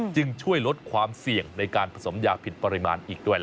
จึงช่วยลดความเสี่ยงในการผสมยาผิดปริมาณอีกด้วย